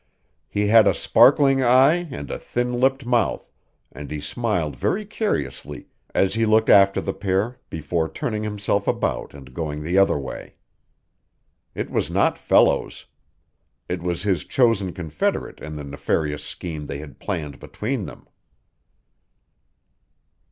He had a sparkling eye and a thin lipped mouth, and he smiled very curiously as he looked after the pair before turning himself about and going the other way. It was not Fellows; it was his chosen confederate in the nefarious scheme they had planned between them.